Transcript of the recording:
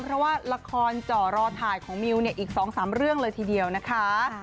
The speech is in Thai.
เพราะว่าละครจ่อรอถ่ายของมิวเนี่ยอีก๒๓เรื่องเลยทีเดียวนะคะ